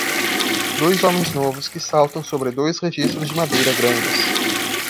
Dois homens novos que saltam sobre dois registros de madeira grandes.